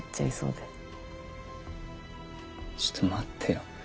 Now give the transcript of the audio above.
ちょっと待ってよ。